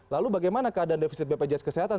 lalu bagaimana keadaan defisit bpjs kesehatan